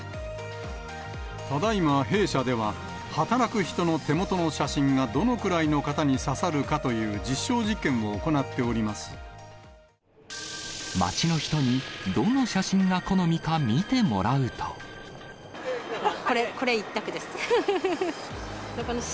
ただいま弊社では、働く人の手元の写真がどのくらいの方に刺さるかという実証実験を街の人に、これ、これ一択です。